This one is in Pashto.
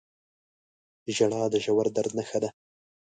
• ژړا د ژور درد نښه ده.